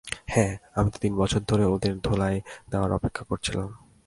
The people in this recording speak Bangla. হ্যাঁ, আমি তো তিনবছর ধরে ওদের ধোলাই দেয়ার অপেক্ষা করছিলাম।